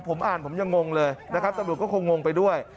ผมอ่านผมยังงงเลยนะครับตำรวจก็คงงไปด้วย